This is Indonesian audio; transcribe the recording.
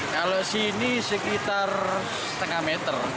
kalau sini sekitar setengah meter